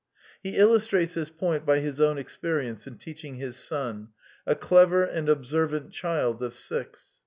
He illustrates this point by his own experience in teach ing his son, a clever and observant child of six.